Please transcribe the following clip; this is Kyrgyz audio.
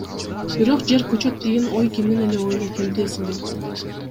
Бирок, жер көчөт деген ой кимдин эле оюна келди дейсиңер.